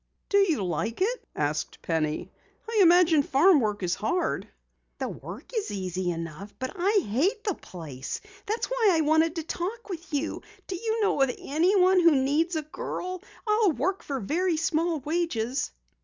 "Do you like it?" asked Penny. "I imagine farm work is hard." "The work is easy enough. But I hate the place! That's why I wanted to talk with you. Do you know of anyone who needs a girl? I'll work for very small wages."